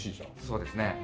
そうですね。